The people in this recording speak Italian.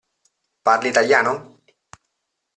Parli italiano?